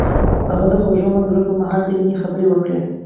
هغه د خوږ منظر پر مهال د مینې خبرې وکړې.